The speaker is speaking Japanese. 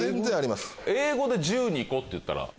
「英語」で１２個って言ったら。